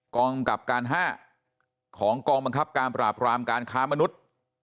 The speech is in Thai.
กองกับการ๕ของกองบังคับการปราบรามการค้ามนุษย์